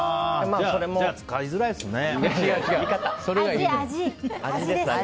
じゃあ、使いづらいですね。